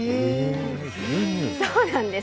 そうなんです。